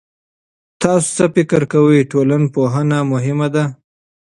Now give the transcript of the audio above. تاسو څه فکر کوئ، ټولنپوهنه مهمه ده؟